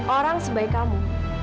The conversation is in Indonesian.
orang sebaik kamu